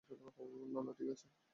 না না, ঠিক আছে।